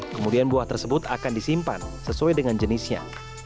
kemudian buah tersebut akan disimpan sesuai dengan jenisnya